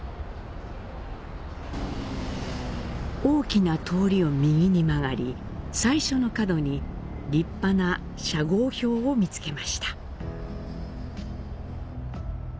大きな通りを右に曲がり、最初の角に立派な社号標を見つけました。